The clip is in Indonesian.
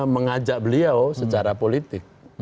mengajak beliau secara politik